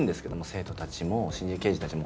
生徒たちも新人刑事たちも。